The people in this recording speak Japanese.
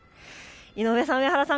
井上さん、上原さん